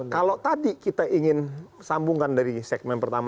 kalau tadi kita ingin sambungkan dari segmen pertama